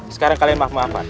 sekarang kalian maaf maafan